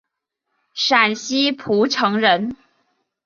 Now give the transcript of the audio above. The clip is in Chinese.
陕西蒲城人。